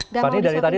gak mau disambung dulu